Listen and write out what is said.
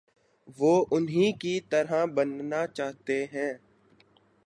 وہ انہی کی طرح بننا چاہتے تھے۔